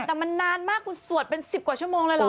แต่มันนานมากคุณสวดเป็น๑๐กว่าชั่วโมงเลยเหรอ